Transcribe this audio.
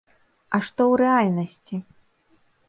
А што ў рэальнасці?